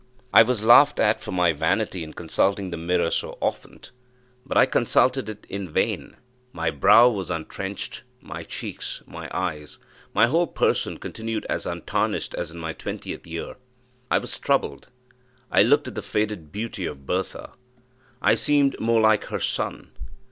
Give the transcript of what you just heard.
I was laughed at for my vanity in consulting the mirror so often, but I consulted it in vain my brow was untrenched my cheeks my eyes my whole person continued as untarnished as in my twentieth year. I was troubled. I looked at the faded beauty of Bertha I seemed more like her son.